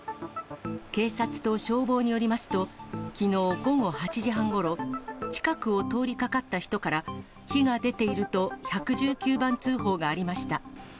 警察と消防によりますと、きのう午後８時半ごろ、近くを通りかかった人から、火が出ていると１１９番通報がありました。